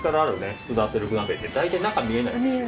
普通の圧力鍋って大体中見えないんですよ。